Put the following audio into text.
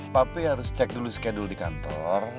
tapi harus cek dulu schedule di kantor